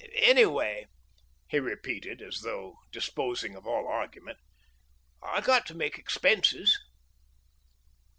Anyway," he repeated, as though disposing of all argument, "I got to make expenses."